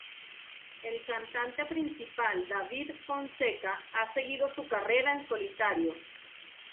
El cantante principal David Fonseca ha seguido su carrera en solitario.